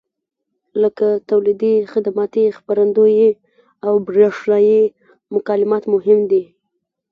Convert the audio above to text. لکه تولیدي، خدماتي، خپرندویي او برېښنایي مکالمات مهم دي.